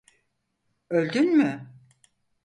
Öldün mü?